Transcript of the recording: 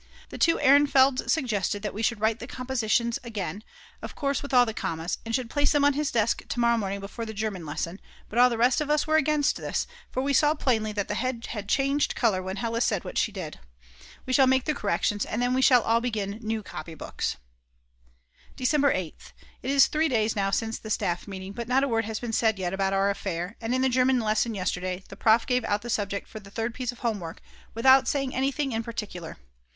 The 2 Ehrenfelds suggested that we should write the compositions over again, of course with all the commas, and should place them on his desk to morrow morning before the German lesson; but all the rest of us were against this, for we saw plainly that the head had changed colour when Hella said what she did. We shall make the corrections and then we shall all begin new copybooks. December 8th. It is 3 days now since the staff meeting, but not a word has been said yet about our affair, and in the German lesson yesterday the Prof. gave out the subject for the third piece of home work without saying anything in particular.